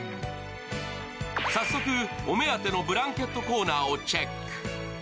早速、お目当てのブランケットコーナーをチェック。